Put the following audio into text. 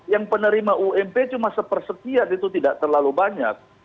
yang penerima ump cuma sepersekian itu tidak terlalu banyak